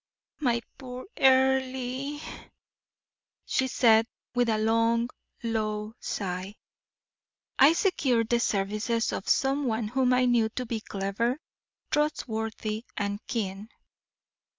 "My poor Earle!" she said, with a long, low sigh. "I secured the services of some one whom I knew to be clever, trustworthy, and keen.